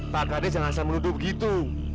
pak kades jangan asal menuduh begitu